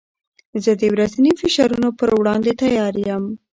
زه د ورځني فشارونو پر وړاندې تیار یم.